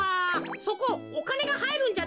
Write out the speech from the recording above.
そこおかねがはいるんじゃないか？